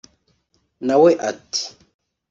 nawe ati